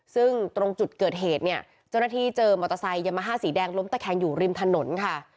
ซึ่งตรงจุดเกิดเหตุเนี่ยเจ้าหน้าที่เจอมอเตอร์ไซค์ยามาฮ่าสีแดงล้มตะแคงอยู่ริมถนนค่ะ